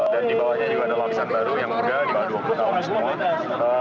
di bawahnya juga ada lapisan baru yang muda di bawah dua puluh tahun semua